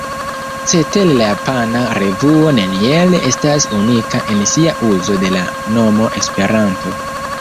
Cetere la japana revuo neniel estas unika en sia uzo de la nomo ”Esperanto”.